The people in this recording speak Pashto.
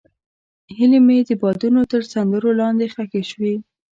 هیلې مې د بادونو تر سندرو لاندې ښخې شوې.